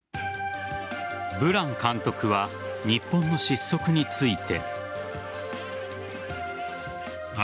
ブラン監督は日本の失速について。